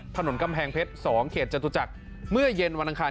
ถนนกำแพงเพชร๒เขตจตุจักรเมื่อเย็นวันอังคาร